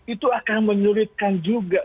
itu akan menyuritkan juga